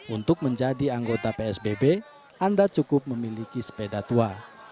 untuk menjadi anggota psbb anda cukup memiliki sepeda tua